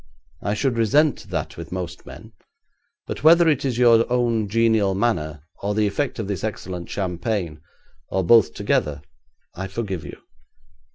I should resent that with most men, but whether it is your own genial manner or the effect of this excellent champagne, or both together, I forgive you.